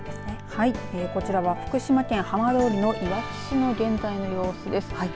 まずこちらは福島県いわき市の現在の様子です